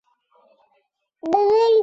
谢拉克人口变化图示